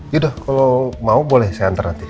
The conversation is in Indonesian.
yaudah kalau mau boleh saya antar nanti